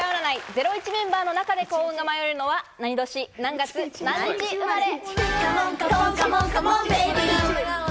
『ゼロイチ』メンバーの中で幸運が舞い降りるのは、何年、何月、何日生まれ？